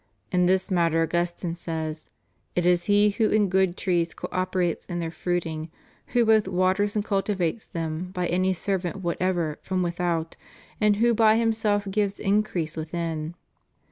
In this matter Augustine says: "It is he who in good trees co operates in their fruiting, who both waters and cultivates them by any servant whatever from without, and who by himself gives increase within."